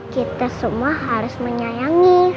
kita semua harus menyayangi